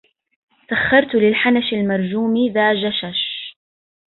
سخرت للحنش المرجوم ذا جششٍ